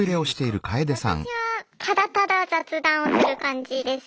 私はただただ雑談をする感じです。